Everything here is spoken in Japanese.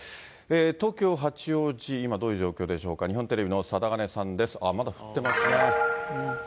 東京・八王子、今どういう状況でしょうか、日本テレビの貞包さんです。